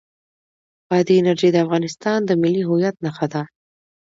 بادي انرژي د افغانستان د ملي هویت نښه ده.